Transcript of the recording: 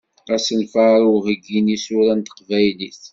Asenfar i uheggi n yisura n teqbaylit.